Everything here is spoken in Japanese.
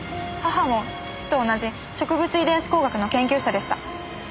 母も父と同じ植物遺伝子工学の研究者でした。